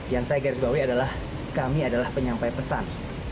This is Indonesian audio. yang saya garis bawahi adalah kami adalah penyampai pesan